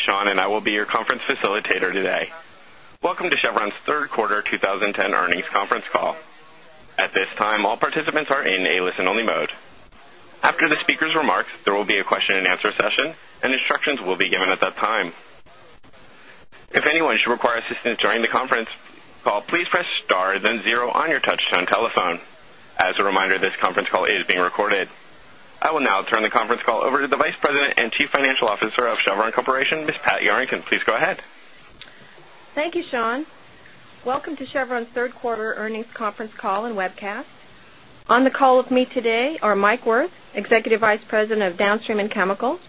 name is Sean, and I will be your conference facilitator today. Welcome to Chevron's Third Quarter 20 10 Earnings Conference Call. As a reminder, this conference call is being I will now turn the conference call over to the Vice President and Chief Financial Officer of Chevron Corporation, Ms. Pat Yerington. Please go ahead. Thank you, Sean. Welcome to Chevron's 3rd quarter earnings conference call and webcast. On the call with me today are Mike Wirth, Executive Vice President of Downstream and Chemicals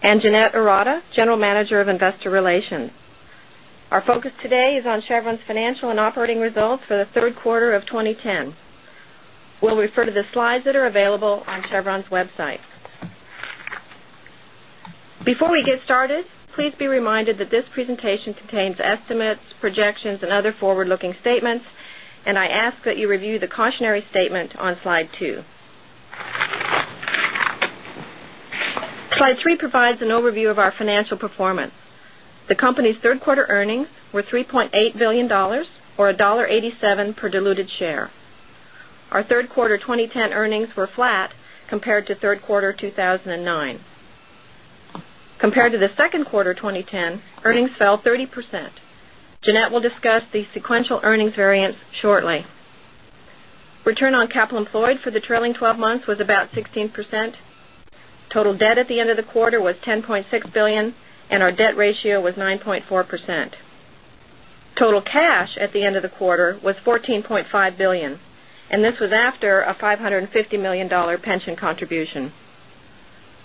and Jeanette Arata, General Manager of Investor Relations. Our focus today is on Chevron's financial and operating results for the Q3 of 2010. We'll refer to the slides that are available on Chevron's website. Before we get started, please be reminded that this presentation contains estimates, projections and other forward looking statements, and I ask that you review the cautionary statement on Slide 2. Slide 3 provides an overview of our financial performance. The The company's 3rd quarter earnings were $3,800,000,000 or $1.87 per diluted share. Our 3rd quarter 20 discuss the sequential earnings variance shortly. Return on capital employed for the trailing 12 months was about 16%. Total debt at the end of the quarter was $10,600,000,000 and our debt ratio was 9.4%. Total cash at the end of the quarter was 14 point $5,000,000,000 and this was after a $550,000,000 pension contribution.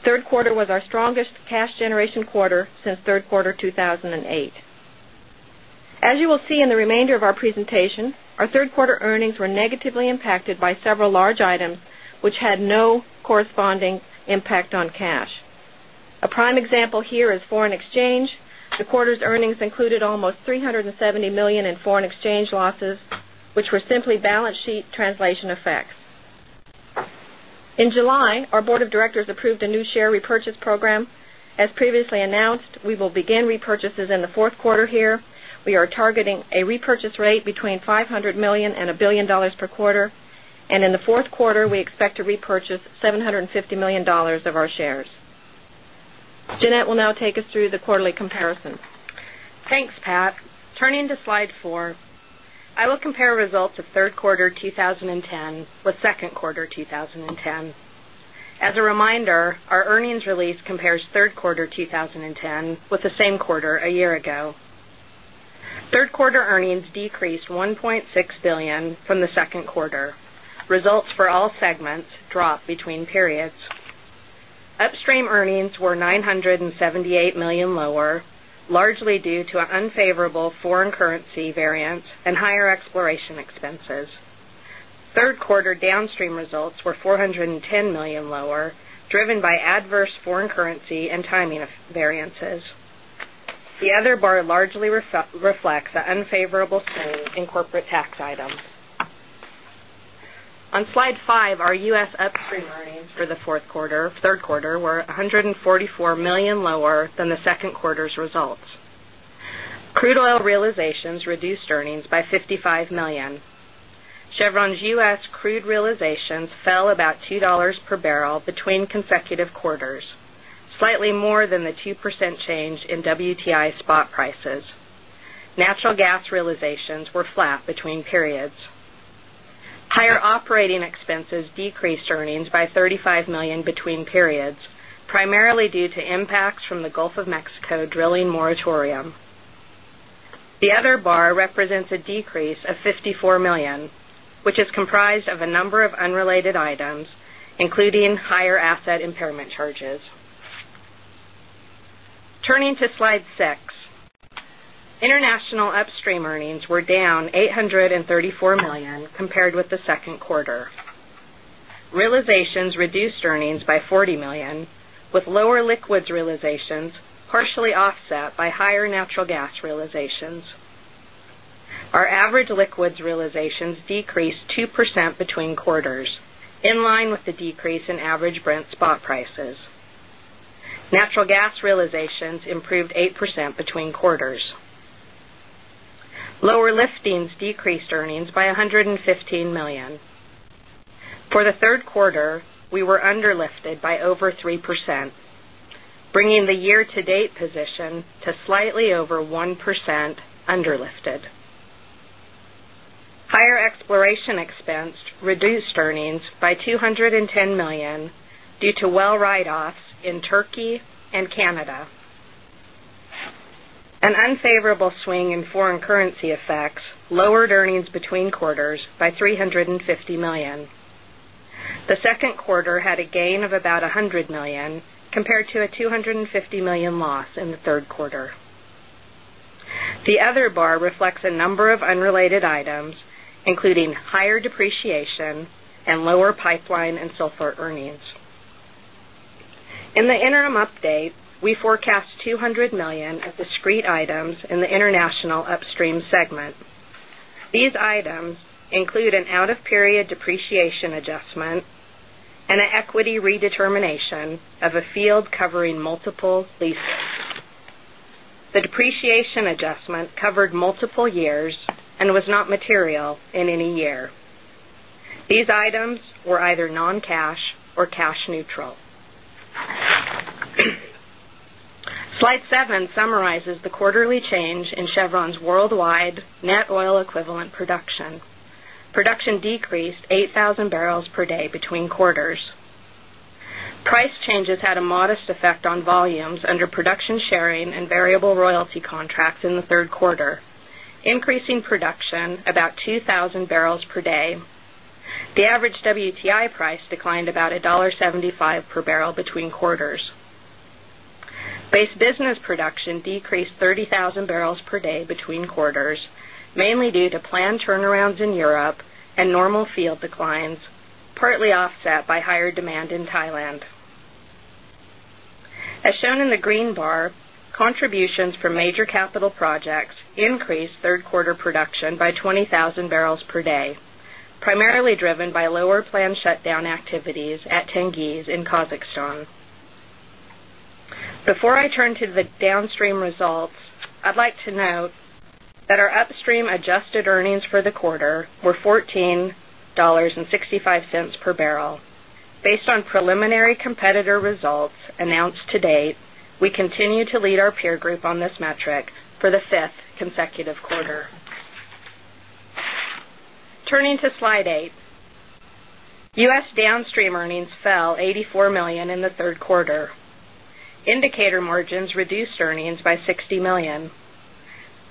3rd quarter was our strongest cash generation quarter since Q3 2008. As you will see in the remainder of our presentation, our 3rd quarter earnings were negatively impacted by several large items, which had no corresponding impact on cash. A prime example here is foreign exchange. The quarter's earnings included almost 370,000,000 in foreign exchange losses, which were simply balance sheet translation effects. In July, our Board of Directors approved a new share repurchase program. As previously announced, we will begin repurchases in the Q4 here. We are targeting a repurchase rate between $500,000,000 and $1,000,000,000 per quarter. And in the Q4, we expect to repurchase $750,000,000 of our shares. Jeanette will now take us through the quarterly comparison. Thanks, Pat. Turning to Slide 4. I will compare results of 3rd quarter 2010 with 2nd quarter 2010. As a reminder, our earnings release compares Q3 2010 with the same quarter a year ago. 3rd quarter earnings decreased $1,600,000,000 from the 2nd quarter. Results for all segments dropped between periods. Upstream earnings were $978,000,000 lower, largely due to unfavorable foreign currency foreign On Slide 5, our U. S. Upstream earnings for the Q4 3rd quarter were 100 and $44,000,000 lower than the 2nd quarter's results. Crude oil realizations reduced earnings by 55,000,000 dollars Chevron's U. S. Crude realizations fell about $2 per barrel between consecutive quarters, slightly more than the 2% change in WTI spot prices. Natural gas realizations were flat between periods. Higher operating expenses decreased earnings by $35,000,000 between periods, primarily due to impacts from the Gulf of Mexico drilling moratorium. The other bar represents a decrease of $54,000,000 which is comprised of a number of unrelated items, International Upstream earnings were down $834,000,000 compared with the 2nd quarter. Realizations reduced earnings by 40,000,000 dollars with lower liquids realizations partially offset by higher natural gas realizations. Our average liquids realizations decreased 2 percent between quarters, in line with the decrease in average Brent spot prices. Natural gas realizations improved 8% dollars For the 3rd quarter, we were underlifted by over 3%, bringing the year to date position to slightly over 1% underlifted. Higher exploration expense reduced earnings by 2 $10,000,000 due to well write offs in Turkey and Canada. An unfavorable swing in foreign currency effects lowered earnings between quarters by 350,000,000 The second quarter had a gain of about $100,000,000 compared to a $250,000,000 loss in the 3rd quarter. The other bar reflects a number of In the interim update, we forecast $200,000,000 of discrete items in the international Upstream segment. These items include an out of period depreciation adjustment and an equity redetermination of a field covering multiple leases. The depreciation adjustment covered multiple years and was not material in any year. These items were either noncash wide net oil equivalent production. Production decreased 8,000 barrels per day between quarters. Price changes had a modest effect on volumes under production sharing and variable royalty contracts in the 3rd quarter, increasing production about 2,000 barrels per day. The average WTI price declined about $1.75 per barrel between quarters. Base Base declines, partly offset by higher demand in Thailand. As shown in the green bar, contributions from major capital projects increased 3rd quarter production by 20,000 barrels per day, the downstream results, I'd like to note that our upstream adjusted earnings for the quarter were 14 point $6.5 per barrel. Based on preliminary competitor results announced to date, we continue to lead our peer group on this metric for the 5th consecutive quarter. Turning to Slide 8. US downstream earnings fell $84,000,000 in the 3rd quarter. Indicator margins reduced earnings by 60,000,000 dollars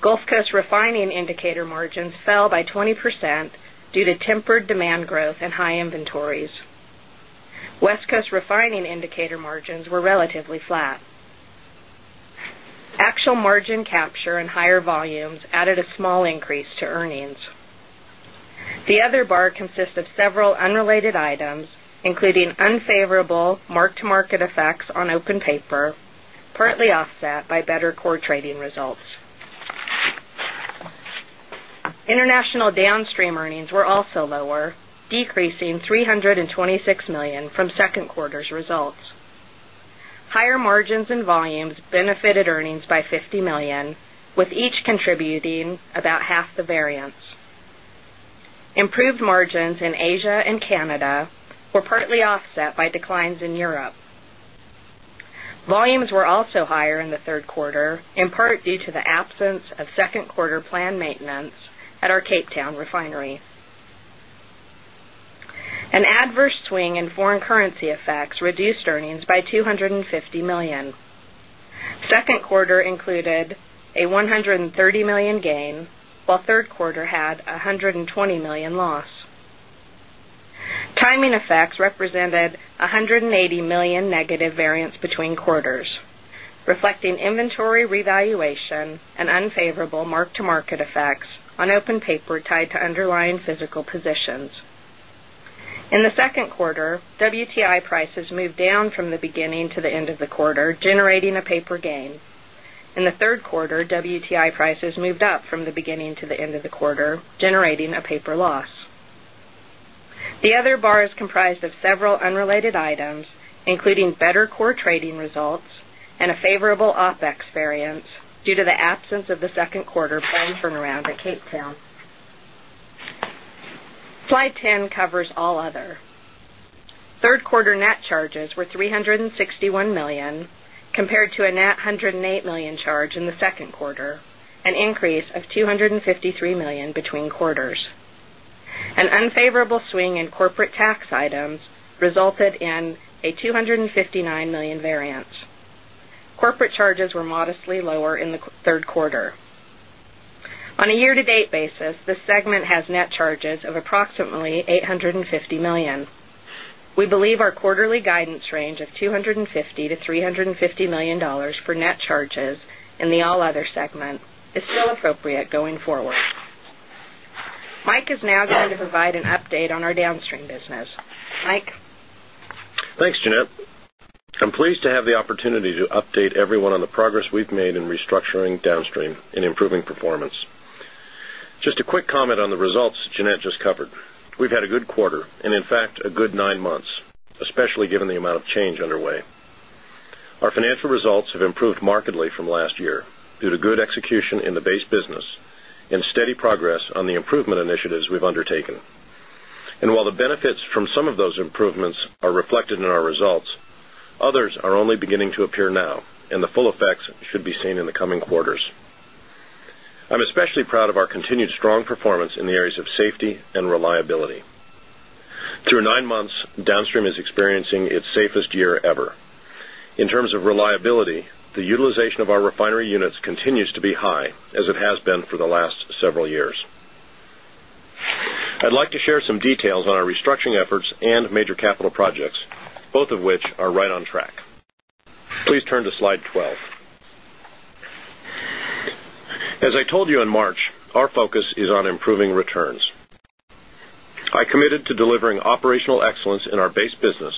Gulf Coast refining indicator margins fell by 20% due to tempered demand growth and high inventories. West Coast refining indicator margins were relatively flat. Actual margin capture and higher volumes added a small increase to earnings. The other bar consists of several unrelated items, including unfavorable mark to market effects on open paper, partly offset by better core trading results. International Downstream earnings were also lower, decreasing $326,000,000 from 2nd quarter's results. Higher margins and volumes benefited earnings by with each contributing about half the variance. Improved margins in Asia and Canada were partly offset by declines in Europe. Volumes were also higher in the 3rd quarter, in part due to the absence of 2nd quarter planned maintenance at our Cape Town refinery. An adverse swing in foreign currency effects reduced earnings by CAD250 1,000,000. 2nd quarter included a CAD130 1,000,000 gain, while 3rd quarter had a $120,000,000 loss. Timing effects represented $180,000,000 negative variance between quarters, reflecting inventory revaluation and unfavorable mark to market effects on open paper tied to underlying gain. In the Q3, WTI prices moved up from the beginning to the end of the quarter, generating a paper loss. The other bar is comprised of several unrelated items, including better core trading results and a favorable OpEx variance due to the absence of the 2nd quarter planned turnaround at Capetown. Slide 10 covers all other. 3rd quarter net charges were $361,000,000 compared to a net $108,000,000 charge in the 2nd quarter, an increase of $253,000,000 between quarters. An unfavorable swing in corporate tax items resulted in a $259,000,000 variance. Corporate charges were modestly lower in the 3rd quarter. On a year to date basis, this segment has net charges of approximately $850,000,000 We believe our quarterly guidance range of $250,000,000 to 3 $50,000,000 for net charges in the all other segment is still appropriate going forward. Mike is now going to Mike is now going to provide an update on our downstream business. Mike? Thanks, Jeanette. I'm pleased to have the opportunity to update everyone on the progress we've made in restructuring downstream and improving performance. Just a quick comment on the results Jeanette just covered. We've had a good quarter and in fact a good 9 months, especially given the amount of change underway. Our financial results have improved markedly from last year due to good execution in the base business and steady progress on the improvement initiatives we've undertaken. And while the benefits from some of those improvements are only beginning to appear now and the full effects should be seen in the coming quarters. I'm especially proud of our continued strong performance in the areas of safety and reliability. Through 9 months, Downstream is experiencing its safest year ever. In terms of reliability, the utilization of our refinery units continues to be high as it has been for the last several years. I'd like to share some details on our restructuring efforts and major capital projects, both of which are right on track. Please turn to Slide 12. As I told you in March, our focus is on improving returns. I committed to delivering operational excellence in our base business,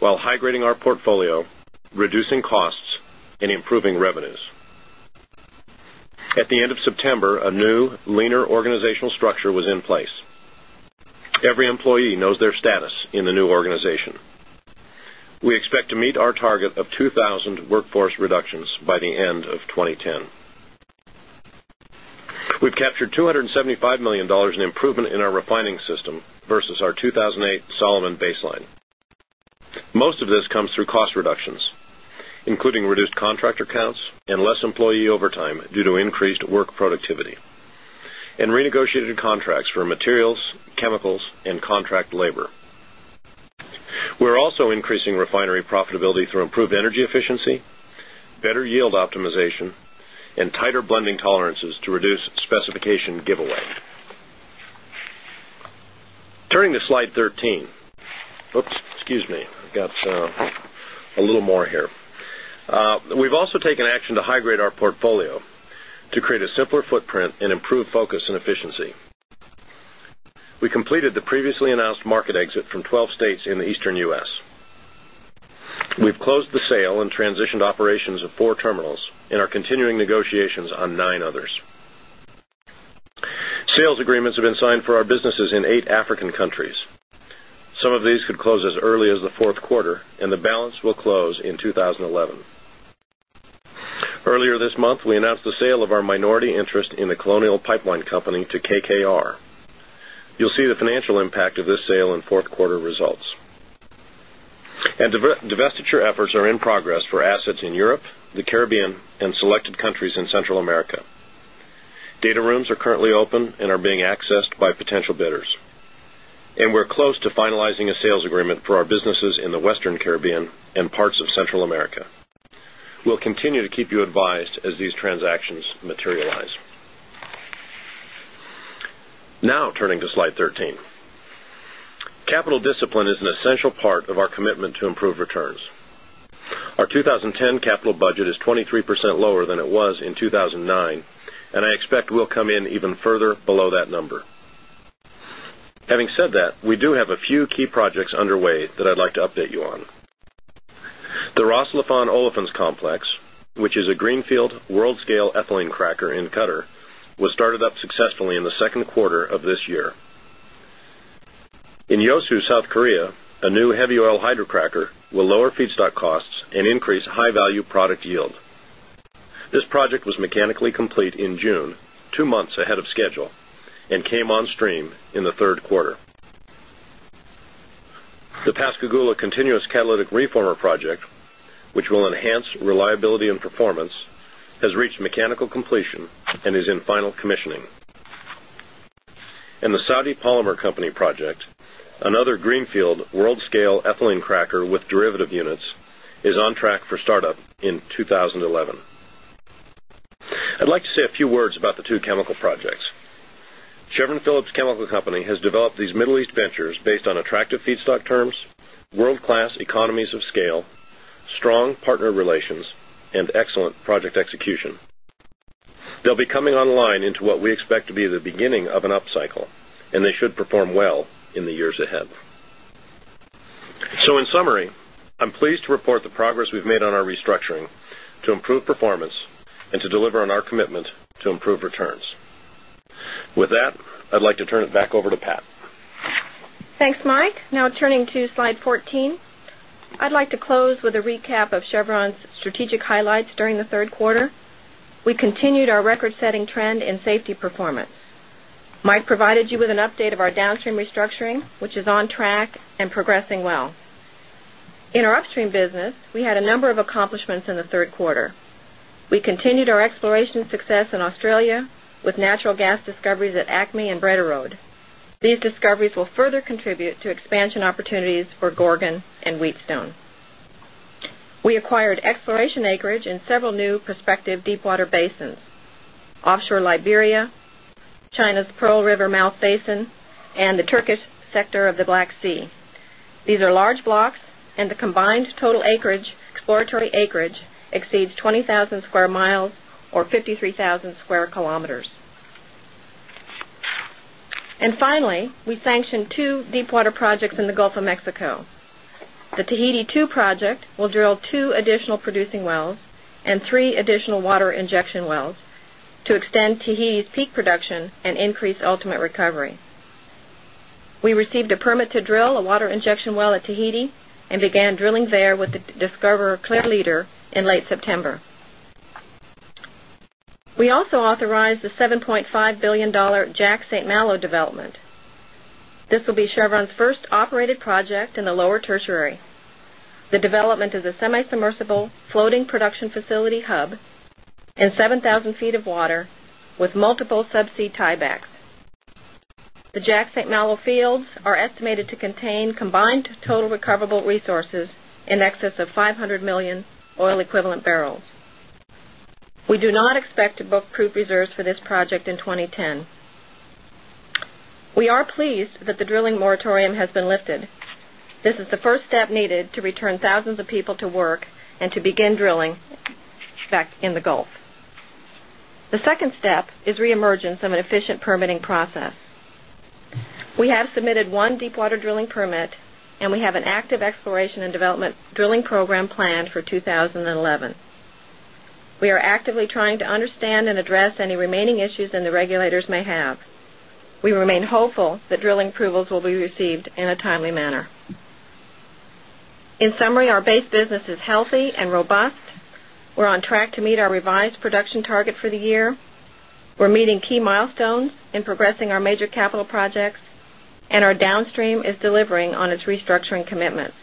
while high grading our portfolio, reducing costs and improving revenues. At the end of September, a new leaner organizational structure was in place. Every employee knows their status in the new organization. We expect to meet our target of 2,000 workforce reductions by the end of 2010. We've captured $275,000,000 in improvement in our refining system versus our 2,008 Solomon baseline. Most of this comes through cost reductions, including reduced contractor counts and less employee overtime due to increased work productivity and efficiency, better yield optimization and tighter blending tolerances to reduce specification giveaway. Turning to Slide the way. Turning to Slide 13. Oops, excuse me, I've got a little more here. We've also taken action to high grade our portfolio to create a simpler footprint and improve focus and efficiency. We completed the previously announced market exit from 12 states in the Eastern U. S. We've closed the sale and transitioned operations of 4 terminals and are continuing negotiations on 9 others. Sales agreements have been signed for our businesses in 8 African countries. Some of these could close as early as the Q4 and the balance will close in 2011. Earlier this month, we announced the sale of our minority interest in the Colonial Pipeline Company to KKR. You'll see the financial impact of this sale in 4th quarter results. And divestiture efforts are in progress for assets in Europe, the Caribbean and selected countries in Central America. Data rooms are currently open and are being accessed by potential bidders. And we're close to finalizing a sales agreement for our businesses in the Western Caribbean and parts of Central America. We'll continue to keep you advised as these transactions materialize. Now turning to Slide 13. Capital discipline is an essential part of our commitment to improve returns. Our 20 23% lower than it was in 2,009 and I expect we'll come in even further below that number. Having said that, we do have a few key projects underway that I'd like to update you on. The Rosslafon Olefins complex, which is a greenfield world scale ethylene cracker in Qatar was started up successfully in the Q2 of this year. In Yeosu, South Korea, a new heavy oil hydrocracker will lower feedstock costs and increase high value product yield. This project was mechanically complete in June, 2 months ahead of schedule and came on stream in the Q3. The Pascagoula continuous catalytic reformer project, which another greenfield world scale ethylene cracker with derivative units is on track for startup in 2011. I'd like to say a few words about the 2 chemical projects. Chevron Phillips Chemical Company has developed these Middle East Ventures based on attractive feedstock terms, world class economies of scale, strong partner relations and excellent project execution. They'll be coming online into what we expect to be the beginning of an up cycle and they should perform well in the years ahead. So in summary, I'm pleased to report the progress we've made on our commitment to improve returns. With that, I'd like to turn it back over to Pat. Thanks, Mike. Now turning to Slide 14. I'd like to close with a recap of Chevron's strategic highlights during the Q3. We continued our record setting trend in safety performance. Mike provided you with an update of our downstream restructuring, which is on track and progressing well. In our upstream business, we had a number of accomplishments in the Q3. We continued our exploration success in Australia with natural gas discoveries at Acme and Breder Road. These discoveries will further contribute to expansion opportunities for Gorgon and Wheatstone. We acquired exploration acreage in several new prospective deepwater basins, offshore Liberia, China's Pearl River mouth basin and the Turkish sector of the Black Sea. These are large blocks and the combined total acreage exploratory acreage exceeds 20,000 square miles or 53,000 square kilometers. And finally, we sanctioned 2 deepwater projects in the Gulf of Mexico. The Tahiti II project will drill 2 additional producing wells and 3 additional water injection wells to extend Tahiti's peak production and increase ultimate recovery. We received a permit to drill a water injection well at Tahiti and began drilling there with the Discoverer Clear Leader in late September. We also authorized the $7,500,000,000 Jack St. Malo development. This will be Chevron's operated project in the lower tertiary. The development is a semisubmersible floating production facility hub and 7,000 feet of water with multiple subsea tiebacks. The Jack St. Malo fields are estimated to contain combined total recoverable resources in excess of 500 1,000,000 oil equivalent barrels. We do not expect to book crude reserves for this project in 2010. We are pleased that the drilling moratorium has been lifted. This is the first step needed to return thousands of people to work and to begin drilling back in the Gulf. The second step is reemergence of an efficient permitting process. We have submitted 1 deepwater drilling permit and we have an active exploration and development drilling program planned for 2011. We are actively trying to understand and address any remaining issues and the regulators may have. We remain hopeful that drilling approvals will be received in a timely manner. In summary, our base business is healthy and robust. We're on track to meet our revised production target for the year. We're meeting key milestones in progressing our major capital projects, and our downstream is delivering on its restructuring commitments.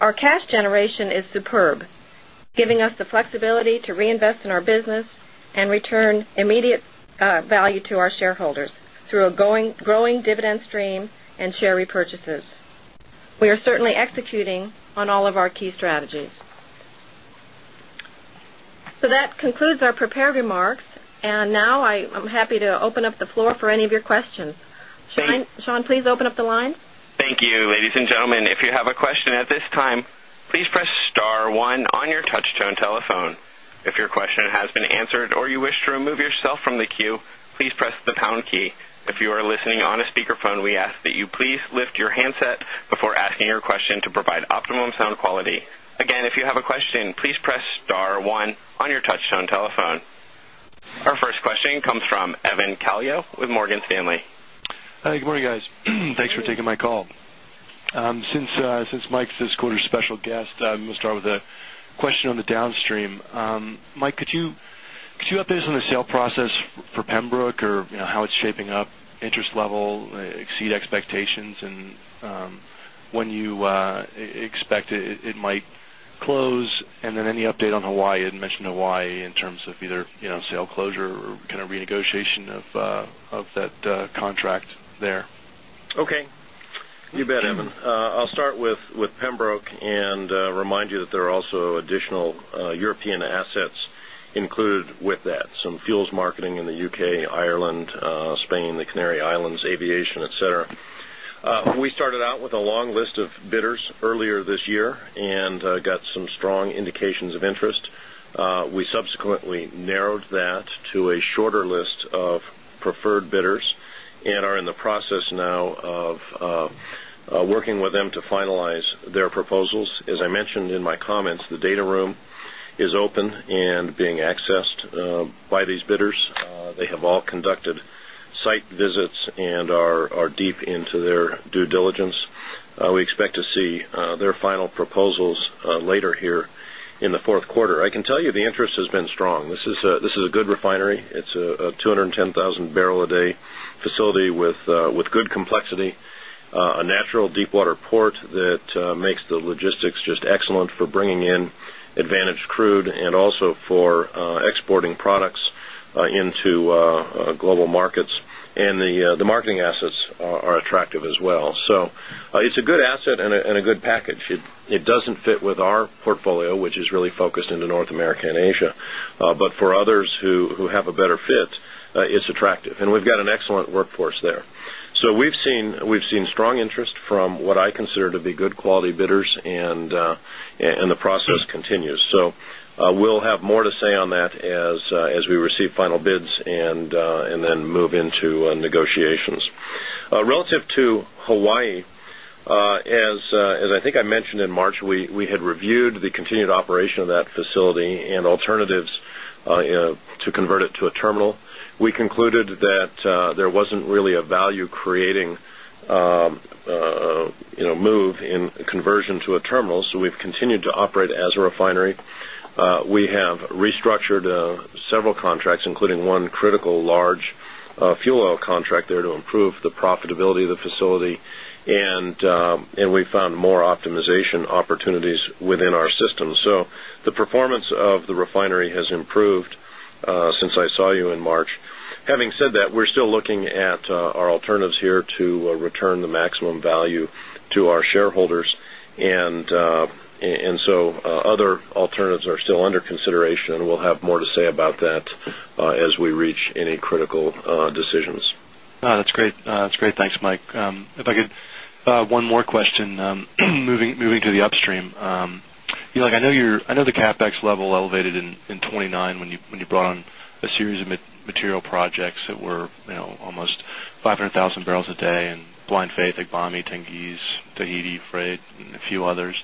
Our cash generation is superb, giving us the flexibility to reinvest in our business and return immediate value to our shareholders through a growing dividend stream and share repurchases. We are certainly executing on all of Sean, please open up the line. Thank you. Comes from Evan Kallo with Morgan Stanley. Hi, good morning guys. Thanks for taking my call. Since Mike this quarter's special guest, we'll start with a question on the downstream. Mike, could you update us on the sale process for Pembroke or how it's shaping up interest level exceed expectations? And when you expect it might close? And then any update on Hawaii, you mentioned Hawaii in terms of either sale closure or kind of renegotiation of that contract there? Okay. You bet, Evan. I'll start with Pembroke and remind you that there are also additional European assets included with that, some fuels marketing in the UK, Ireland, Spain, the Canary Islands, aviation, etcetera. We started out with a long list of bidders earlier this year and got some strong indications of interest. We subsequently narrowed that to a deep into their due diligence. We expect to see their deep into their due diligence. We expect to see their final proposals later here in the 4th I can tell you the interest has been strong. This is a good refinery. It's a 210,000 barrel a day facility with good complexity, a natural deepwater port that makes the logistics just excellent for bringing in advantaged crude and also for exporting products into global markets and the marketing assets are attractive as well. So it's a good asset and a good package. It doesn't fit with our portfolio, which is really focused into North America and Asia. But for others who have a better fit, it's attractive. And we've got an excellent workforce there. So we've seen strong interest from what I consider to be good quality bidders and the process continues. So we'll have more to say on that as we receive final bids and then move into negotiations. Relative to Hawaii, as I think I mentioned in March, we had reviewed the continued operation of that facility alternatives to convert it to a terminal. We concluded that there wasn't really a value creating move in conversion to a terminal. So we've continued to operate as a refinery. We have restructured several contracts including one critical large fuel oil contract there to improve the profitability of the facility and we found more optimization opportunities within our system. So the performance of the refinery has improved since I saw you in March. Having said that, we're still looking at our alternatives here to return the maximum value to our shareholders. And so other alternatives are still under consideration. We'll have more to say about that as we reach any critical decisions. That's great. Thanks, Mike. If I could one more question moving to the upstream. I know the CapEx level elevated in 'twenty nine when you brought on a series of material projects that were almost 500 1,000 barrels a day in Blind Faith, Agbami, Tengiz, Tahiti Freight and a few others.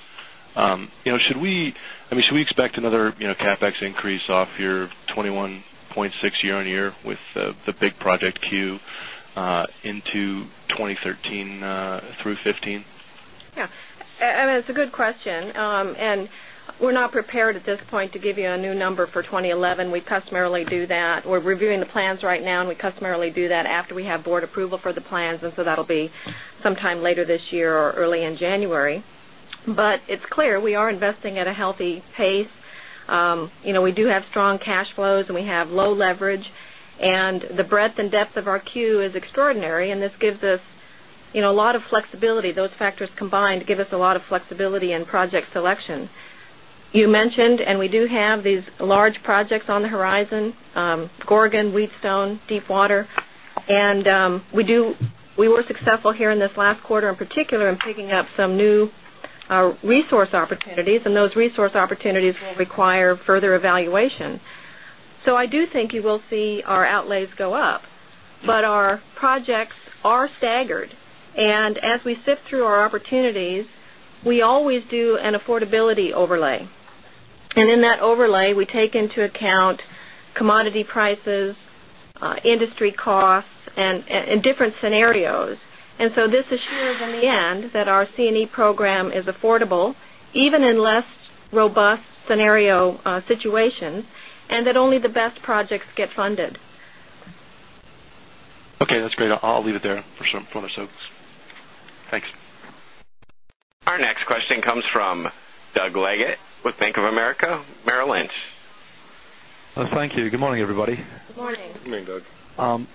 Should we I mean, should we expect another CapEx increase off your 21.6 year on year with the big project Q into 20 13 through 2015? Yes. I mean, it's a good question. And we're not prepared at this point to give you a new number for 20 11. We customarily do that. We're reviewing the plans right now, and we do that. We're reviewing the plans right now, and we do that after we have Board approval for the plans. And so that will be sometime later this year or early in January. But it's clear, we are investing at a healthy pace. We do have strong cash flows, and we have low leverage. And the breadth and depth of our queue is extraordinary, and this gives us a lot of flexibility. Those factors combined give us a lot of flexibility in project selection. You mentioned and we do have these large projects on the horizon, gorgon, Wheatstone, Deepwater. And we do we were successful here in this last quarter, in particular, in picking up some new resource opportunities. And those resource opportunities will require further And as we sift through our opportunities, we always do an affordability overlay. And in that overlay, we take into account commodity prices, industry costs and different scenarios. And so this assures in the end that our C and E program is affordable even in less robust scenario situation and that only the best projects get funded. Okay. That's great. I'll leave it there for some fun or so. Thanks. Our next question comes from Doug Leggate with Bank of America Merrill Lynch. Thank you. Good morning, everybody. Good morning. Good morning, Doug.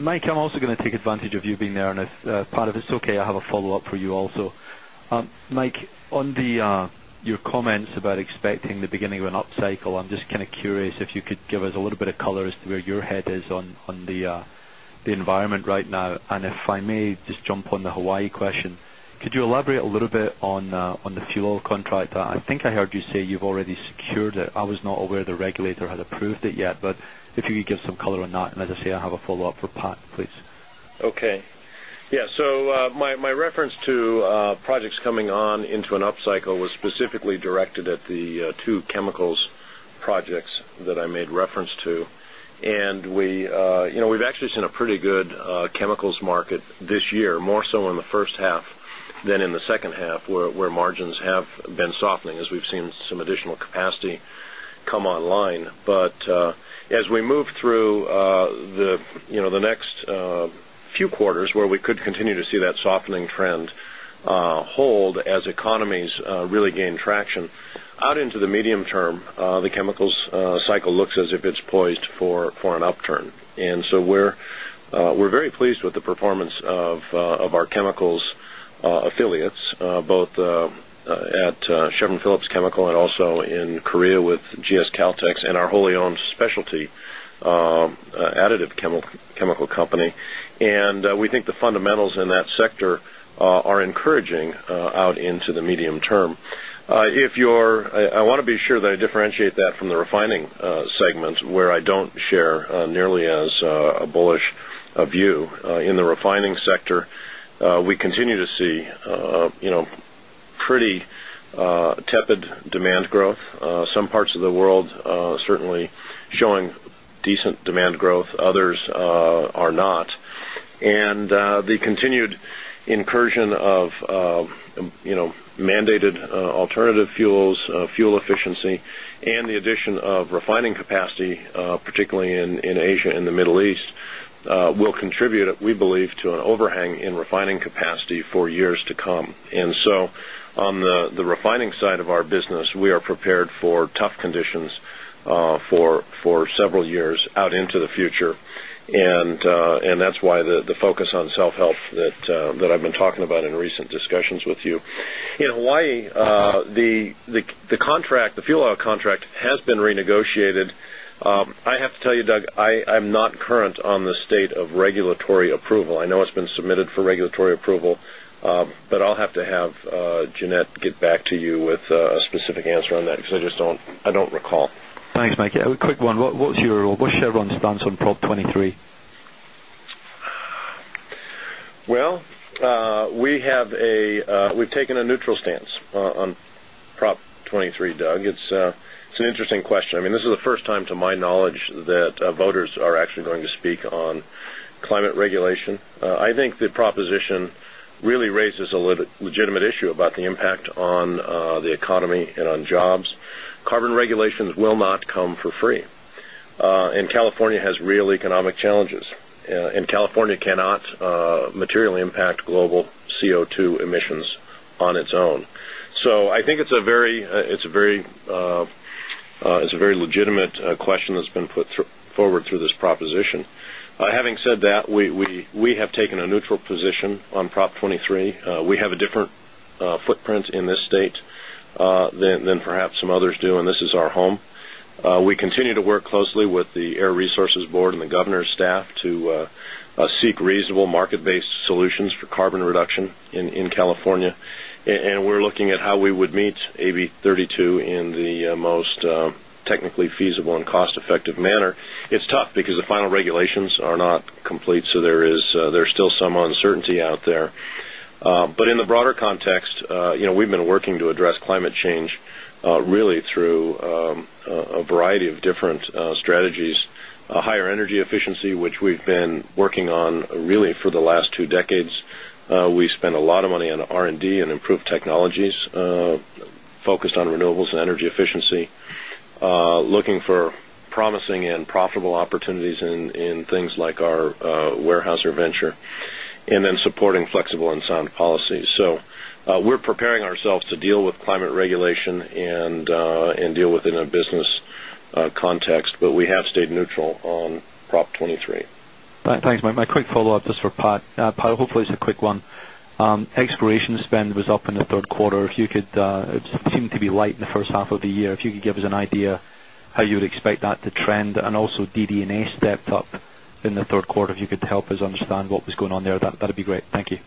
Mike, I'm also going to take advantage of you being there. And if part of it is okay, I have a follow-up for you also. Mike, on the your comments about expecting the beginning of an upcycle, I'm just kind of curious if you could give us a little bit of color as to where your head is on the environment right now. And if I may just jump on the Hawaii question. Could you elaborate a little bit on the fuel oil contract? I think I heard you say you've already secured it. I was not aware the regulator has approved it yet, but if you could give some color on that. And as I say, I have a follow-up for Pat, please. Okay. Yes. So my reference to projects coming on into an up cycle was specifically directed at the 2 chemicals projects that I made reference to. And we've actually seen a pretty good chemicals market this year more so in the first half than in the second half where margins have been softening as we've seen some additional capacity come online. But as we move through the next few quarters where we could continue to see that softening trend hold as economies really gain traction. Out into the medium term, the chemicals cycle looks as if it's poised for an upturn. And so we're very pleased with the performance of our chemicals affiliates, both at Chevron Phillips Chemical and also in Korea with GS Caltex and our wholly owned specialty additive chemical company. And we think the fundamentals in that sector are encouraging out into the medium term. If you're I want to be sure that I differentiate that from the refining segment where I don't share nearly as a bullish view. In the refining sector, we continue to see pretty tepid demand growth. Some parts of the world certainly showing decent demand growth, others are not. And the continued incursion of mandated alternative fuels, fuel efficiency and the addition of refining capacity particularly in Asia and the Middle East will contribute we believe to an overhang in refining capacity for years to come. And so on the refining side of our business, we are prepared for tough conditions for several years out into the future. And that's why the focus on self help that I've been talking about in recent discussions with you. In Hawaii, the contract, the fuel oil contract has been renegotiated. I have to tell you, Doug, I'm not current on the state of regulatory approval. I know it's been submitted for regulatory approval, but I'll have to have Jeanette get back to you with a specific answer on that because I just don't recall. Thanks, Mike. A quick one, what's Chevron's stance on Prop 23? Well, we have a we've taken a neutral stance on Prop 23, Doug. It's an interesting question. I mean, this is the first time to my knowledge that voters are actually going to speak on climate regulation. I think the proposition really raises a legitimate a economic challenges and California cannot materially impact global CO2 emissions on its own. So I think it's a very legitimate question that's been put forward through this proposition. Having said that, we have taken a neutral position on Prop 23. We have a different footprint in this state than perhaps some others do and this is our home. We continue to work closely with the Air Resources Board and the Governor's staff to seek reasonable market based solutions for carbon reduction in California. And we're looking at how we would meet AB32 in the most technically feasible and cost effective manner. It's tough because the final regulations are not complete. So there is still some uncertainty out there. But in the broader context, we've been working to address climate change really through a variety of different strategies, higher energy efficiency, which we've been working on really for the last 2 decades. We spend a lot of money on R and D and improved technologies focused on renewables and energy efficiency, looking for promising and profitable opportunities in things like our Weyerhaeuser Venture, and then supporting flexible and sound policies. So we're preparing ourselves to deal then supporting flexible and sound policies. So we're preparing ourselves to deal with climate regulation and deal within a business context, 3rd quarter. If you could it seemed to be lightening Exploration spend was up in the Q3. If you could it seemed to be light in the first half of the year. If you could give us an idea how you would expect to trend? And also DD and A stepped up in the Q3. If you could help us understand what was going on there, that would be great. Thank you.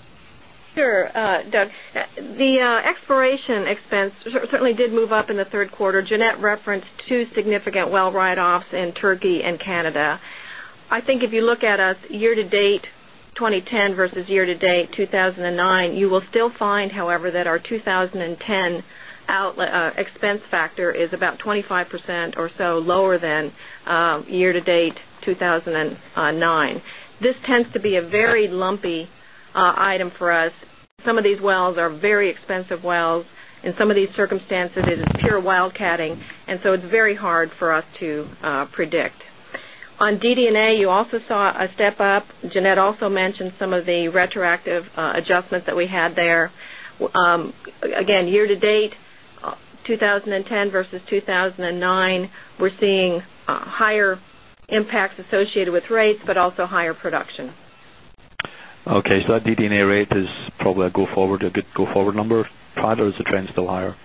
Sure, Doug. The exploration expense certainly did move up in the Q3. Jeanette referenced 2 significant well write offs in Turkey and Canada. I think if you look at us year to date 2010 versus year to date 2009, you will still find, however, that our 20 10 expense factor is about 25% or so lower than year to date 2,009. This tends to be a very lumpy item for us. Some of these wells are very expensive wells. In some of these circumstances, it is pure wildcatting. And so it's very hard for us to predict. On DD and A, you also saw a step up. Jeanette also mentioned some of the retroactive adjustments that we had there. Again, year to date, 2010 versus 2,009, we're seeing higher impacts associated with rates, but also higher production. Okay. So that DD and A rate is probably a go forward a go forward number, Prada? Or is the trend still higher?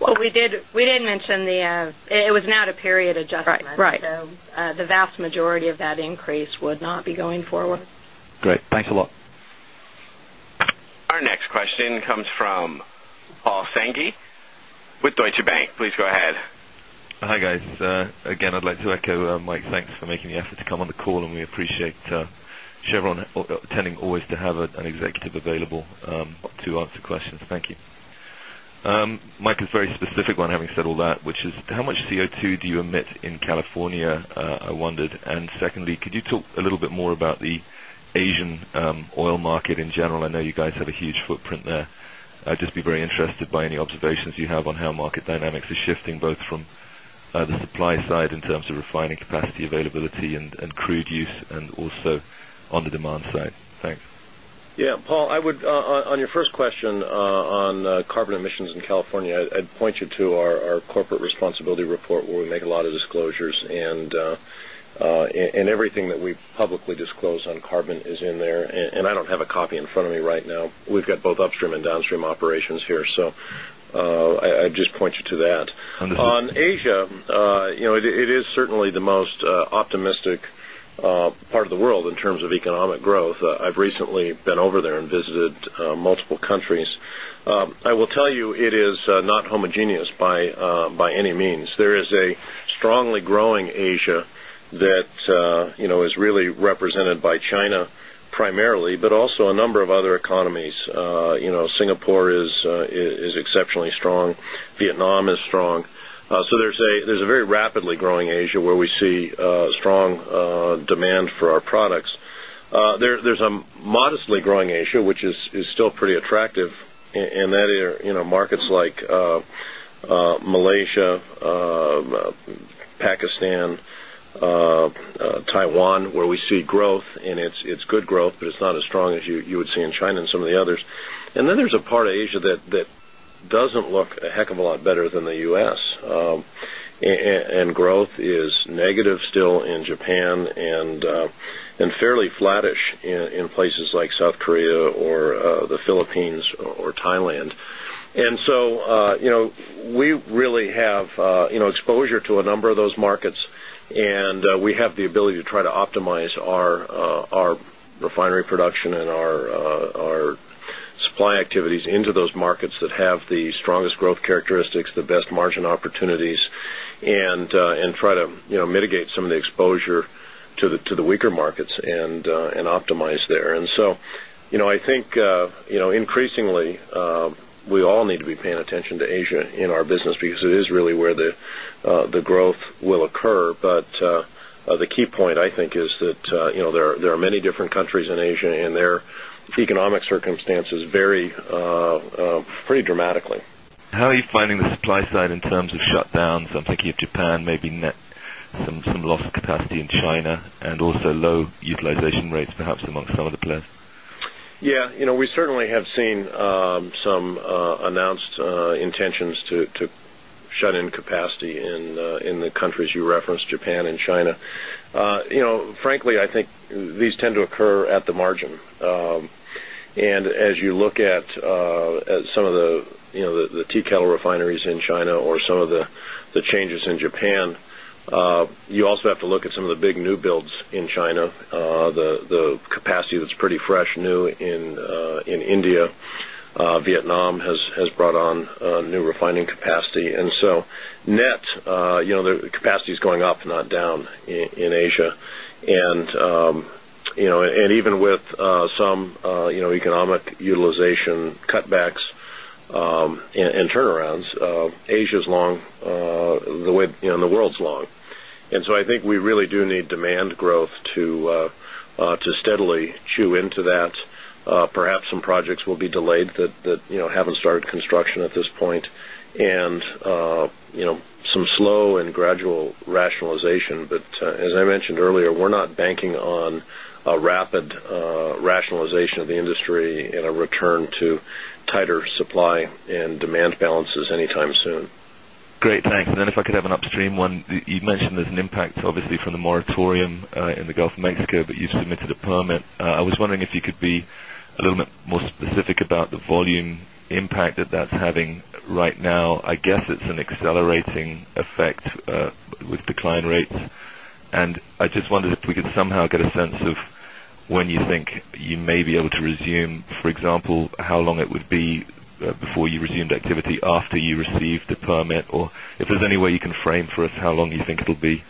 Well, we did mention the it was not a period adjustment. Right, right. So the vast majority of that increase would not be going forward. Great. Thanks a lot. Bank. Please go ahead. Hi, guys. Again, I'd like to echo Mike, thanks for making the effort to come on the call and we appreciate Chevron tending always to have an executive available to answer questions. Thank you. Mike is very specific on having said that, which is how much CO2 do you emit in California, I wondered? And secondly, could you talk a little bit more about the Asian oil market I of refining capacity availability and crude use and also on the demand side? Thanks. Yes. Paul, I would on your first question on carbon emissions in California, I'd point you to our corporate responsibility report where we make a lot of disclosures and everything that we publicly disclose on carbon is in there. And I don't have a copy in front of me right now. We've got both upstream and downstream operations here. So I'd just point you to that. On Asia, it is certainly the most optimistic part of the world in terms of economic growth. I've recently been over there and visited multiple countries. I will tell you it is not homogeneous by any means. There is a strongly growing Asia that is really represented by China primarily, but also a number of other economies. Singapore is exceptionally strong. Vietnam is strong. So there's a very rapidly growing Asia where we see strong demand for our products. There's a modestly growing Asia, which is still pretty attractive and that markets like Malaysia, Pakistan, Taiwan, where we see growth and it's good growth, but it's not as strong as you would see in China and some of the others. And then there's a part of Asia that doesn't look a heck of a lot better than the U. S. And growth is negative still in Japan and fairly flattish in places like South Korea or the Philippines or Thailand. And so we really have exposure to a number of those markets and we have the ability to try to optimize our refinery production and our supply activities into those markets that have the strongest growth characteristics, the best margin opportunities and try to mitigate some of the exposure to the weaker markets and optimize there. And so, I think increasingly, we all need to be paying attention to Asia in our business because it is really where the growth will occur. But the key point I think is that there are many different countries in Asia and their economic circumstances vary pretty dramatically. How are you finding the supply side in terms of shutdowns? I'm thinking of Japan, maybe some lost capacity in China and also low utilization rates perhaps among some of the players? Yes. We certainly have seen some announced intentions to shut in capacity in the countries you referenced Japan and China. Frankly, I think these tend to occur at the margin. And as you look at some of the tea kettle refineries in China or some of the changes in Japan. You also have to look at some of the big new builds in China. The capacity that's fresh new in India, Vietnam has brought on new refining capacity. And so net the capacity is going up not down in Asia. And even with some economic utilization cutbacks and turnarounds, Asia is long the way and the world is long. And so I think we really do need demand growth to steadily chew into that. Perhaps some projects be delayed that haven't started construction at this point and some slow and gradual rationalization. But as I mentioned earlier, we're not banking on a rapid rationalization of the industry and a return to tighter supply and demand balances anytime soon. Great. Thanks. And then if I could have an upstream one. You mentioned there's an impact obviously from the moratorium in the Gulf of Mexico, but you've submitted a permit. I was wondering if you could be a little bit more specific about the volume impact that that's having right now. I guess it's an accelerating effect with decline rates. And I just wondered if we could somehow get a sense of when you may be able to resume, for example, how long it would be before you resumed activity after you received the permit? Or if there's any way you can frame for us how long you think it will be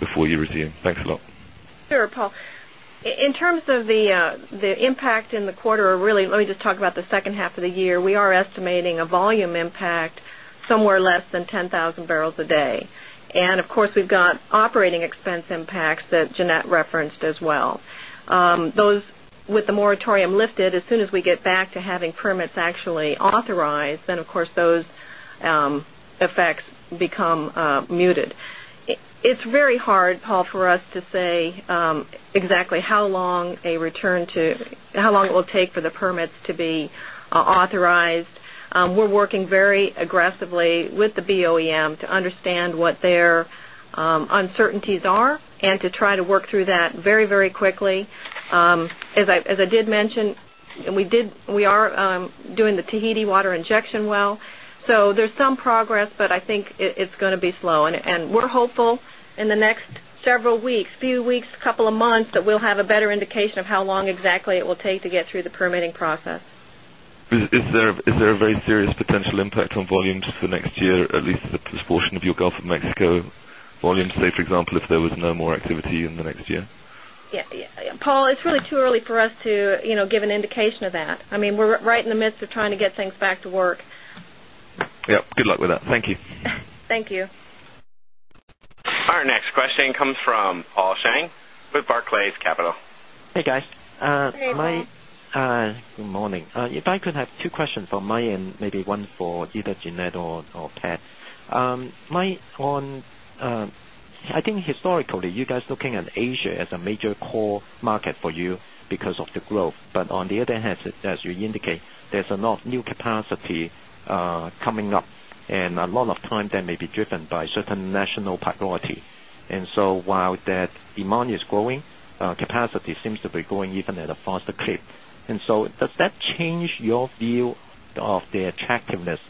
before you resume? Thanks a lot. Sure, Paul. In terms of the impact in the quarter, really, let me just talk about second half of the year. We are estimating a volume impact somewhere less than 10,000 barrels a day. And of course, we've got operating expense impacts that Jeanette referenced as well. Those with the moratorium lifted as soon as we get back to having permits actually authorized, then of course effects become muted. It's very hard, Paul, for us to say exactly how long a return to how long it will take for the permits to be authorized. We're working very aggressively with the BOEM to understand what their uncertainties are and to try to work through that very, very quickly. As I did mention, we did we are doing the Tahiti water injection well. So there's some progress, but I think it's going to be slow. And hopeful in the next several weeks, few weeks, couple of months that we'll have a better indication of how long exactly it will take to get through the permitting process. Is there a very serious potential impact on volumes for next year, at least the portion of your Gulf of Mexico volume, say for example, if there was no more activity in the next year? Yes. Paul, it's really too early for us to give an indication of that. I mean, we're right in the midst of trying to get things back to work. Yes. Good luck with that. Thank you. Thank you. Our next question comes from Al Shang with Barclays Capital. Hey, guys. Good morning, Paul. Good morning. If I could have two questions on my end, maybe one for either Jeanette or Pat. My one I think historically you guys looking at Asia as a major core market for you because of the growth. But on the other hand, as you indicate, there's a lot of new capacity coming up and a lot of time that may be driven by certain national priority. And so while that demand is growing, capacity seems to be growing even at a faster clip. And so does change your view of the attractiveness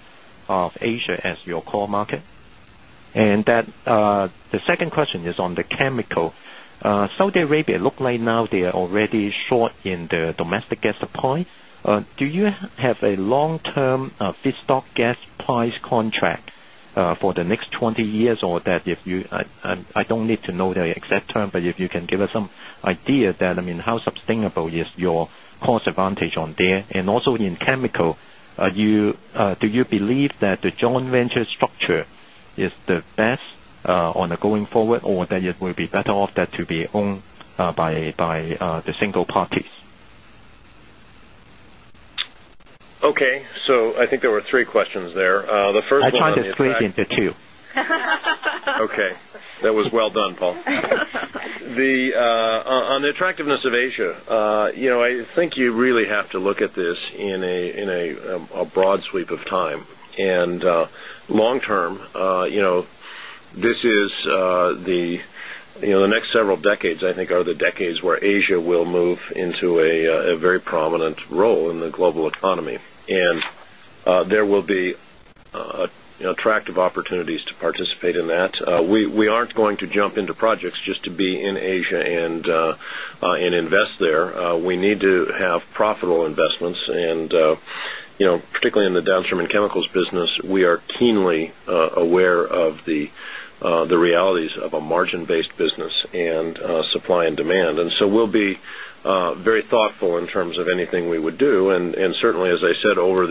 of Asia as your core market? And that the second question is on the chemical. Saudi Arabia, it looks like now they are already short in the domestic gas supply. Do you have a long term feedstock gas price contract for the next 20 years or that if you I don't need to know the exact term, but you can give us some idea that I mean how sustainable is your cost advantage on there? And also in chemical, do you believe that the joint venture structure is the best on the going forward or that it will be better off that to be owned by the single Okay. That was well done, Paul. On the attractiveness of Asia, I think you really have to look at this in a broad sweep of time. And long term, this is the next several decades, I think are the decades where Asia will move into a very prominent role in the global economy. And there will be attractive opportunities to participate in that. We aren't going to jump into projects just to be in Asia and invest there. We need to have profitable investments and particularly in the Downstream and Chemicals business, we are keenly aware of the realities of a margin based business and supply and demand. And so we'll be very thoughtful in terms of anything we would do. And certainly as I said over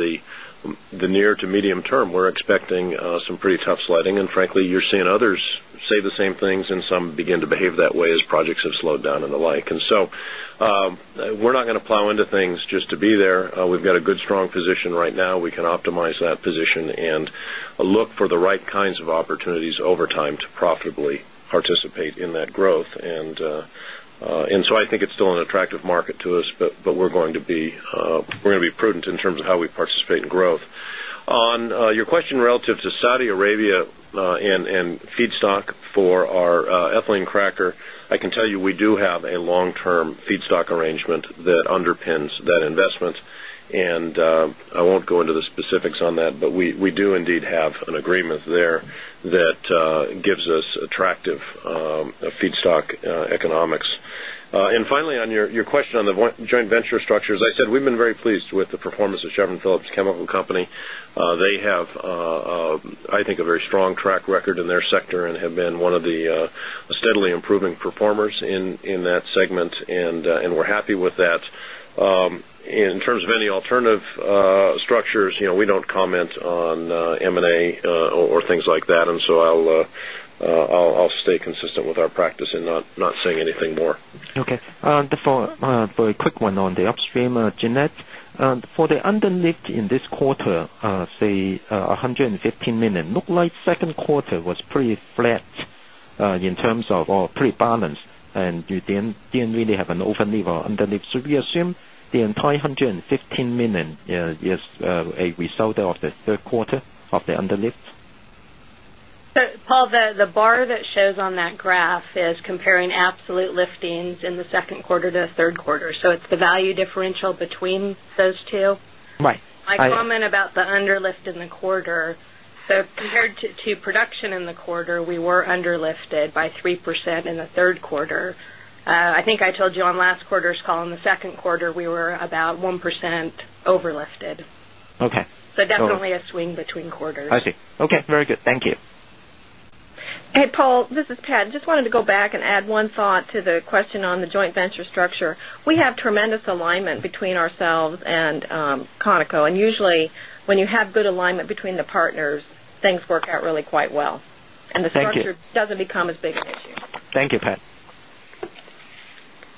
the near to medium term, we're expecting some pretty tough sledding and frankly you're seeing others say the same things and some begin to behave that way as projects have slowed down and the like. And so, we're not going to plow into things just to be there. We've got a good strong position right now. We can optimize that position and look for the right kinds of opportunities over time to profitably participate in that growth. And so I think it's still an attractive market to us, but we're going to prudent in terms of how we participate in growth. On your question relative to Saudi Arabia and feedstock for our ethylene cracker, I can tell you we do have a long term feedstock arrangement that underpins that investment and I won't go into the specifics on that, but we do indeed have an agreement there that gives us attractive feedstock economics. And finally on your question on the joint venture structure, as I said, we've been very pleased with the performance of Chevron Phillips Chemical Company. They have, I think, a very strong track record in their sector and have been one of the steadily improving performers in that segment and we're happy with that. In terms of any alternative structures, we don't comment on M and A or things like that. And so I'll stay consistent with our practice and not saying anything more. Okay. Very quick one on the upstream, Jeanette. For the underleaked in this quarter, say RMB115 1,000,000, it looks like 2nd quarter was pretty flat in terms of or pretty balanced and you didn't really have an open lever underlift. So we assume the RMB515 1,000,000 is a result of the Q3 of the under lift? So Paul, the bar that shows on that graph is comparing absolute liftings in the Q2 to Q3. So it's the value differential between those 2. Right. My comment about the underlift in the quarter, so compared to production in the quarter, we were underlifted by 3% in the 3rd quarter. I think I told you on last quarter's call in the second quarter, we were about 1% over lifted. So definitely a swing between quarters. I see. Okay, very good. Thank you. Paul, this is Pat. Just wanted to go back and add one thought to the question on the joint venture structure. We have tremendous alignment between ourselves and Conoco. And usually, when you have good alignment between the partners, things work out really quite well. And the structure doesn't become as big an issue. Thank you, Pat.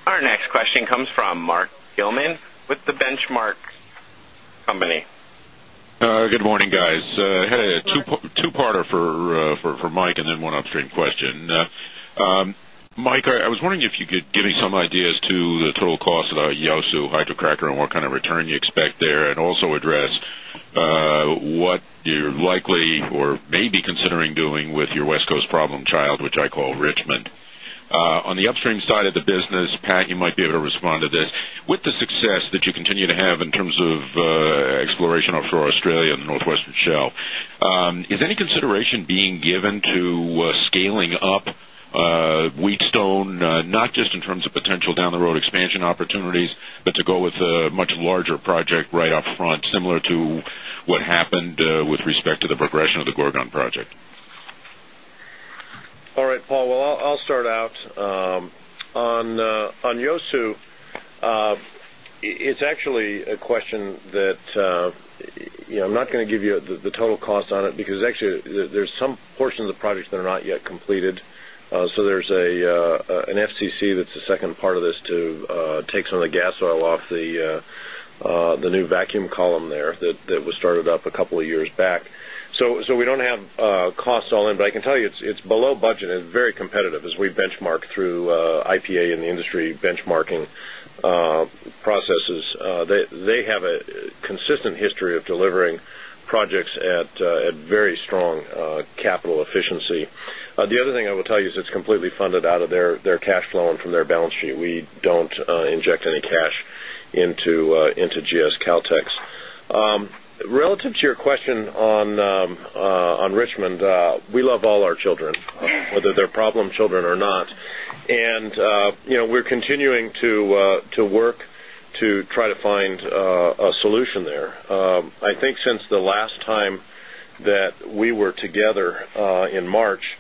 Our next question comes from Mark Gillman with The Benchmark Company. Good morning, guys. 2 parter for Mike and then one upstream question. Mike, I was wondering if you could give me some ideas to the total cost of the Yahsu hydrocracker and what kind of return you expect there and also address what you're likely or may be considering doing with your West Coast problem child, which I call Richmond. On the upstream side of the business, Pat, you might be able to respond to this. With the success that you continue to have in terms of exploration for Australia and Northwestern Shell, is any consideration being given to scaling up Wheatstone, not just in terms of potential down the road expansion opportunities, but to go with a much larger project right upfront similar to what happened with respect to the progression of the Gorgon project? All right, Paul. Well, I'll start out. On Iosu, it's actually a question that I'm not going to give you the total cost on it because actually there's some portion of the projects that are not yet completed. So there's an FCC that's the second part of this to take some of the gas oil off the new vacuum column there that was started up a couple of years back. So we don't have costs all in, but I can tell you it's below budget and very competitive as we benchmark through IPA in the industry benchmarking processes. They have a consistent history of delivering projects at very strong capital efficiency. The other thing I will tell you is it's completely funded out of their cash flow and from their balance sheet. We don't inject any cash into GS Caltex. Relative to your question on Richmond, we love all our children, whether they're problem children or not. And we're continuing to work to try to find a solution there. I think since the last time that we were together in March,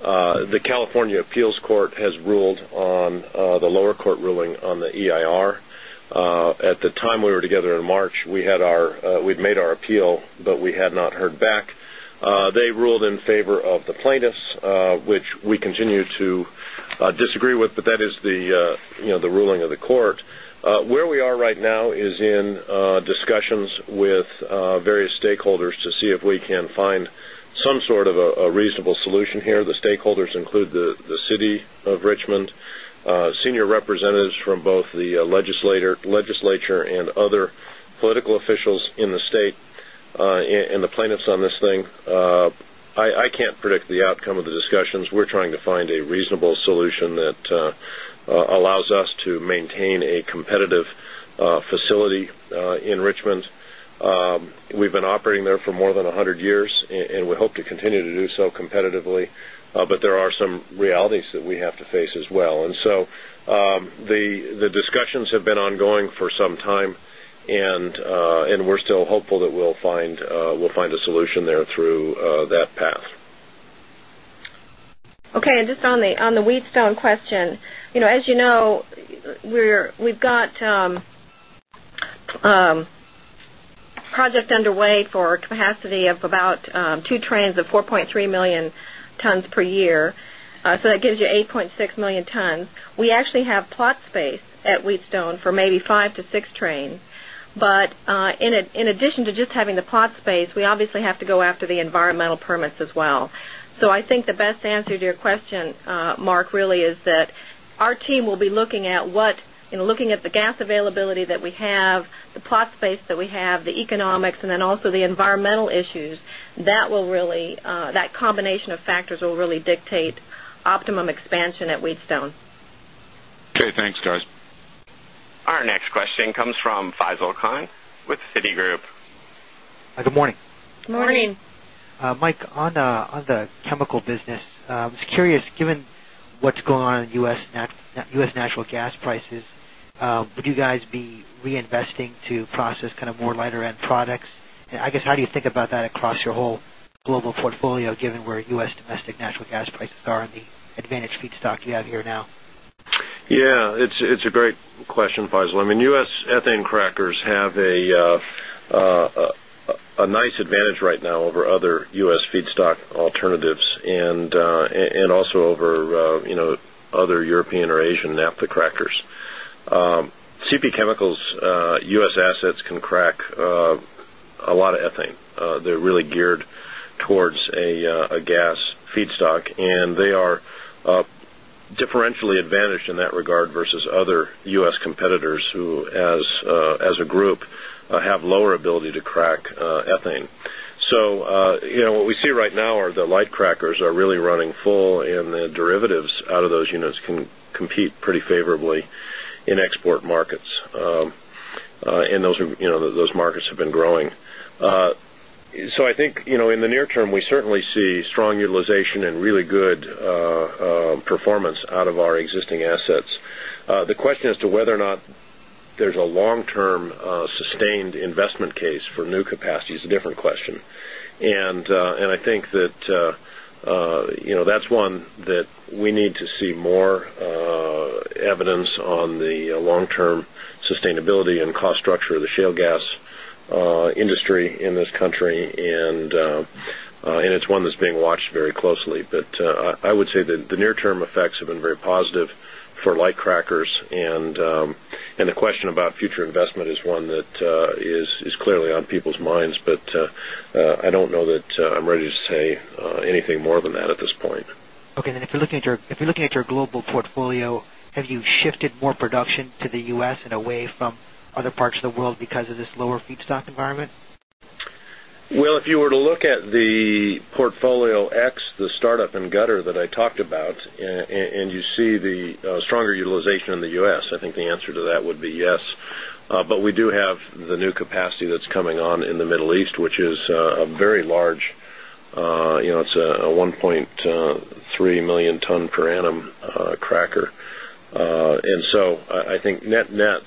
the California appeals court has ruled on the lower court ruling on the EIR. At the time we were together in March, we had our we'd made our appeal, but had not heard back. They ruled in favor of the plaintiffs, which we continue to disagree with, but that is the ruling of the court. Where we are right now is in discussions with various stakeholders to see if we can find some sort of a reasonable solution here. The stakeholders include the City of Richmond, senior representatives from both the legislature and other political officials in the state and the plaintiffs on this thing. I can't predict the outcome of the discussions. We're trying to find a reasonable solution that allows us to maintain a competitive facility in Richmond. We've been operating there for more than 100 years and we hope to continue to do so competitively, but there are some realities that we have to face as well. And so the discussions have been ongoing for some time and we're still hopeful that we'll find a solution there through that path. Okay. And just on the Wheatstone question, as you know, we've got project underway for capacity of about 2 trains of 4,300,000 tonnes per year. So that gives you 8,600,000 tonnes. We actually have plot space at Wheatstone for maybe 5 to 6 trains. But in addition to just having the plot space, we obviously have to go after the environmental permits as well. So I think the best answer to your question, Mark, really is that our team will be looking at what looking at the gas availability that we have, the plot space that we have, the economics environmental issues, that will really that combination of factors will really dictate optimum expansion at Wheatstone. Okay. Thanks guys. Our next question comes from Faisal Khan with Citigroup. Hi, good morning. Good morning. Mike, on the chemical business, I was curious given what's going on in U. S. Natural gas prices, Would you guys be reinvesting to process kind of more lighter end products? And I guess how do you think about that across your whole global portfolio given where U. S. Domestic natural gas prices are in the advantaged feedstock you have here now? Yes, it's a great question Faisal. I mean U. S. Ethane crackers have a nice advantage right now over other U. S. Feed Chemicals U. S. Assets can crack a lot of Chemicals U. S. Assets can crack a lot of ethane. They're really geared towards a gas feedstock and they are differentially advantaged in that regard versus other U. S. Competitors who as a group have lower ability to crack ethane. So what we see right now are the light crackers are really running full and the derivatives out of those units can compete pretty favorably in export markets. And those markets have been growing. So I think in the near term, we certainly see strong utilization and really good performance out of our existing assets. The question as to whether or not there's a long term sustained investment case for new capacity is a different question. And I think that that's one that we need to see more evidence on the long term sustainability and cost structure of the shale gas industry in this country and it's one that's being watched very closely. But I would say that the near term effects have been very positive for light crackers and the question about future investment is one that is clearly on people's minds, but I don't know that I'm ready to say anything more than that at this point. Okay. And then if you're looking at your global portfolio, have you shifted more production to the U. S. In a way from other parts of the world because of this lower feedstock environment? Well, if you were to look at the portfolio ex the startup and gutter that I talked about and you see the stronger utilization in the U. S, I think the answer to that would be yes. But we do have the new capacity that's coming on in the Middle East, which is a very large it's a 1,300,000 ton per annum cracker. And I think net net,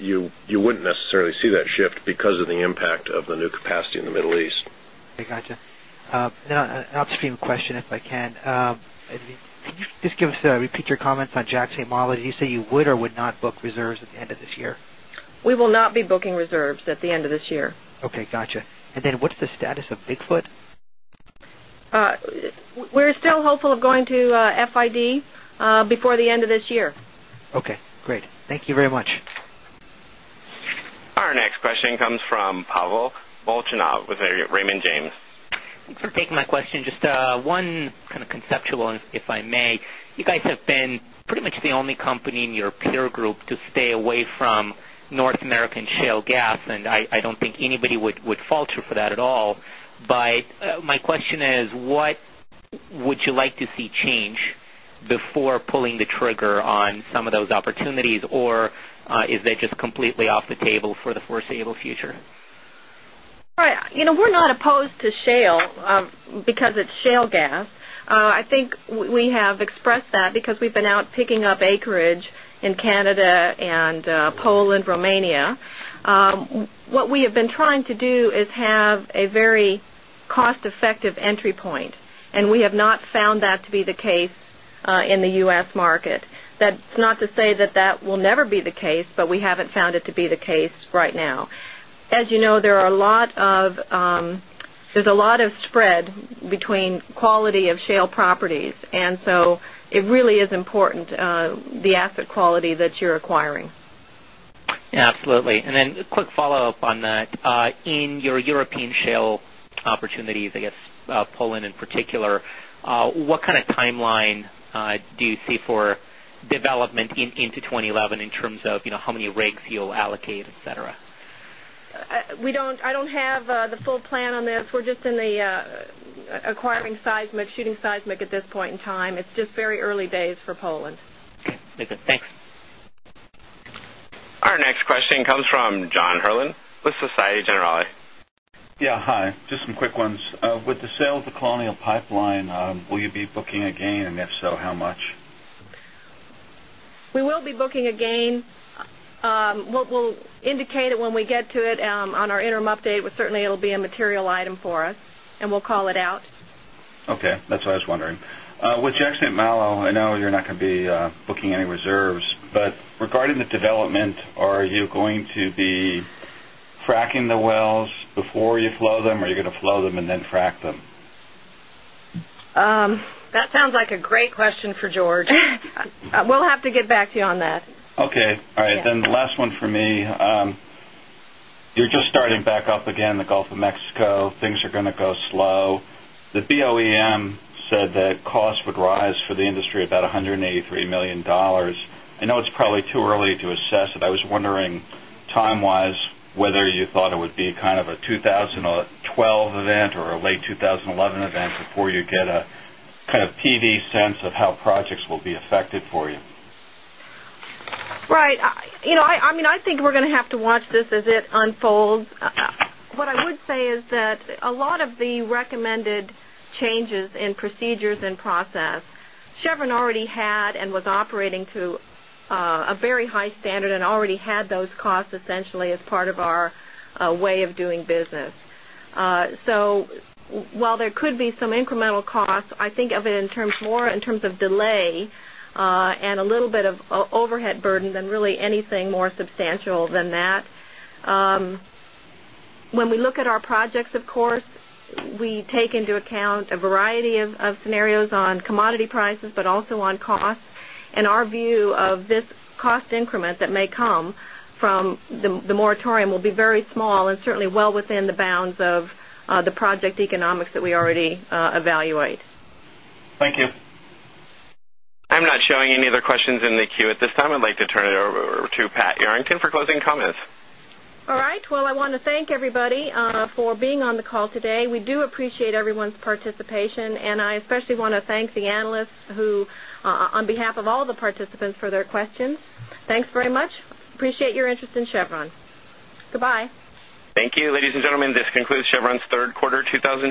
you wouldn't necessarily see that shift because of the impact of the new capacity in the Middle East. Okay, got you. Now an upstream question if I can. Can you just give us repeat your comments on JAK same model? You say you would or would not book reserves at the end of this year? We will not be booking reserves at the end of this year. Okay. Got you. And then what's the status of Bigfoot? We're still hopeful of going to FID before the end of this year. Okay, great. Thank you very much. Our next question comes from Pavel Molchanov with Raymond James. Thanks for taking my question. Just one kind of conceptual, anybody would falter for that at all. But my question is, anybody would falter for that at all. But my question is, what would you like to see change before pulling the trigger on some of those opportunities? Or is that just completely off the table for the foreseeable future? We're not opposed to shale because it's shale gas. I think we have expressed that because we've been out picking up acreage in Canada and poll that to be the case in the U. S. Market. That's not to say that, that will never be the case, but we haven't found it to be the case right now. As you know, there are a lot of there's a lot of spread between quality of shale properties. And so it really is important, the asset quality that you're acquiring. Absolutely. And then a quick follow-up on that. In your European shale opportunities, I guess, Poland in particular, what kind of timeline do you see for development into 2011 in terms of how many rigs you'll allocate, etcetera? We don't I don't have the full plan on this. We're just in the acquiring seismic, shooting seismic at this point in time. It's just very early days for Poland. Okay. Thanks. Our next question comes from John Herrlin with Societe Generale. Yes. Hi. Just some quick ones. With the sale of the Colonial Pipeline, will you be booking a gain? And if so, how much? We will be booking a gain. We'll indicate when we get to it on our interim update, but certainly it will be a material item for us, and we'll call it out. Okay. That's what I was wondering. With Jackson Malo, I know you're not going to be booking any reserves, but regarding the development, are you going to be fracking the wells before you flow them and then frac them? That sounds like a great question for George. We'll have to get back to you on that. Okay. All right. Then last one for me. You're just starting back up again in the Gulf of Mexico. Things are going to go slow. The BOEM said that cost would rise for the industry about $183,000,000 I know it's probably too early to assess it. I was wondering time wise whether you thought it would be kind of a 2012 event or a late 2011 event before you get a kind of PD sense of how projects will be unfolds. What I would say is that a lot of the recommended changes in procedures and process, Chevron already had and was operating to a very high standard and already had those costs essentially as part of our way of doing business. So while there could be some incremental costs, I think of it in terms more in terms of delay and a little bit of overhead burden than really anything more substantial than that. When we look at our projects, of course, we take into account a variety of scenarios on commodity prices, but also on costs. And our view of this cost increment that may come from the moratorium will be very and certainly well within the bounds of the project economics that we already evaluate. Thank you. I'm not showing any other questions in the queue at this time. I'd like to turn it over to Pat Yarrington for closing comments. All right. Well, I want to thank everybody for being on the call today. We do appreciate everyone's participation. And I especially want to thank the analysts who on behalf of all the participants for their questions. Thanks very much. Appreciate your interest in Chevron. Goodbye. Thank you. Ladies and gentlemen, this concludes Chevron's 3rd quarter 20